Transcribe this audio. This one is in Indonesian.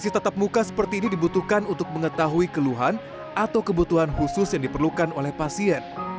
tetap muka seperti ini dibutuhkan untuk mengetahui keluhan atau kebutuhan khusus yang diperlukan oleh pasien